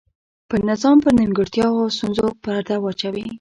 پر نظام پر نیمګړتیاوو او ستونزو پرده واچوي.